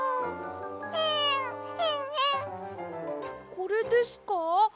これですか？